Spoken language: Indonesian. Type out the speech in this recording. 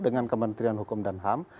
dengan kementerian hukum dan ham